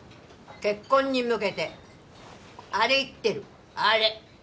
結婚に向けてあれ行ってるあれ